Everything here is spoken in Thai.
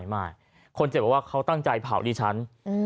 ไม่คนเจ็บบอกว่าเขาตั้งใจเผาดิฉัน